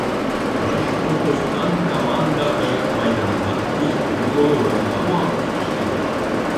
Башҡортостан командаһы майҙанда өҫтөн булыуын дауам итте